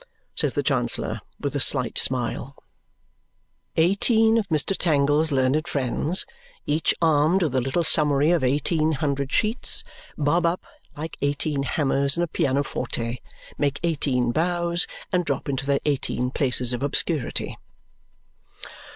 says the Chancellor with a slight smile. Eighteen of Mr. Tangle's learned friends, each armed with a little summary of eighteen hundred sheets, bob up like eighteen hammers in a pianoforte, make eighteen bows, and drop into their eighteen places of obscurity.